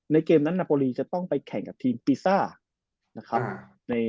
ในเกมนั้นนโปรลีจะต้องไปแข่งกับทีมฟอล์เมื่อ